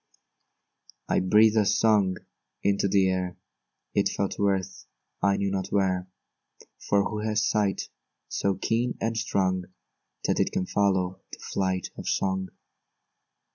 I breathed a song into the air, It fell to earth I knew not where; For who has sight so keen and strong, That it can follow the flight of song?